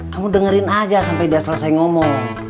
kamu dengerin aja sampai dia selesai ngomong